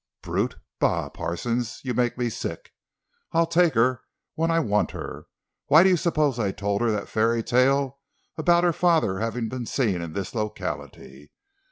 "Brute! Bah! Parsons, you make me sick! I'll take her when I want her! Why do you suppose I told her that fairy tale about her father having been seen in this locality?